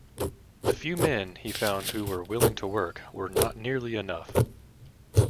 The few men he found who were willing to work were not nearly enough.